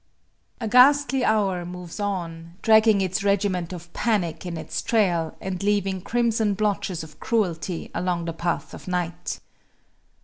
A ghastly hour moves on, dragging its regiment of panic in its trail and leaving crimson blotches of cruelty along the path of night.